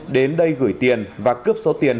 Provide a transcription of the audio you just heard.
đến đây gửi tiền và cướp số tiền